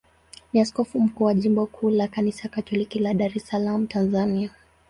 ni askofu mkuu wa jimbo kuu la Kanisa Katoliki la Dar es Salaam, Tanzania.